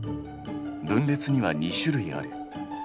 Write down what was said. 分裂には２種類ある。